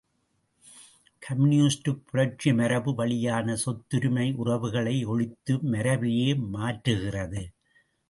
கம்யூனிஸ்டுப் புரட்சி மரபு வழியான சொத்துரிமை உறவுகளை ஒழித்து மரபையே மாற்றுகிறது.